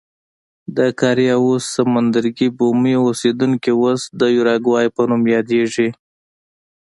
د کارایوس سمندرګي بومي اوسېدونکي اوس د یوروګوای په نوم یادېږي.